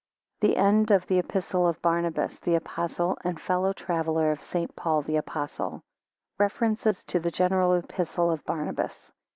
[The end of the Epistle of Barnabas the Apostle, and fellow traveller of St. Paul the Apostle.] REFERENCES TO THE GENERAL EPISTLE OF BARNABAS.